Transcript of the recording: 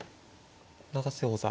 永瀬王座